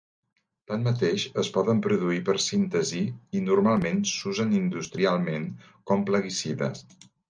Tanmateix, es poden produir per síntesi i normalment s'usen industrialment com plaguicides.